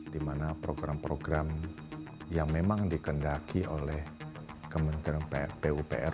di mana program program yang memang dikendaki oleh kementerian pupr